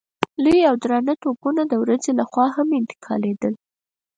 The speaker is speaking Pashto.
لوی او درانه توپونه د ورځې له خوا هم انتقالېدل.